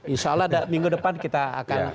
insya allah minggu depan kita akan